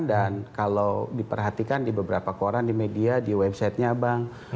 dan kalau diperhatikan di beberapa koran di media di website nya bank